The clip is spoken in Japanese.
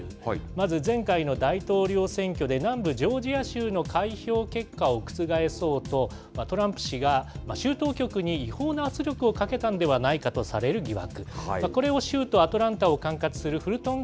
まず前回の大統領選挙で南部ジョージア州の開票結果を覆そうと、トランプ氏が州当局に違法な圧力をかけたんではないかとされる疑惑。